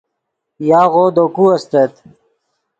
یاغو دے کو استت